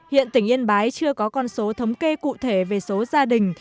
hiện tỉnh yên bái chưa có con số thống kê cụ thể về số gia đình